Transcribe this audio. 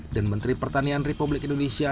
dan menteri pertanian republik indonesia